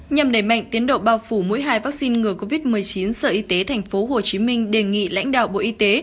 nhằm đẩy mạnh tiến độ bao phủ mỗi hai vaccine ngừa covid một mươi chín sở y tế tp hcm đề nghị lãnh đạo bộ y tế